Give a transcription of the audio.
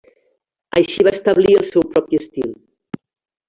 Així va establir el seu propi estil.